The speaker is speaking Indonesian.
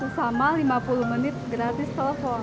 sesama lima puluh menit gratis telepon